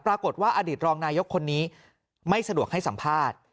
ปรากฏว่าอดีตรองนายกคนนี้ไม่สะดวกให้สัมภาษณ์